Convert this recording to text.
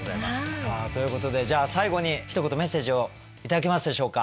さあということでじゃあ最後にひと言メッセージを頂けますでしょうか。